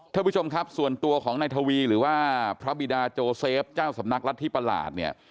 ท่านผู้ชมครับส่วนตัวของนายทวีหรือว่าพระบิดาโจเซฟเจ้าสำนักรัฐธิประหลาดเนี่ย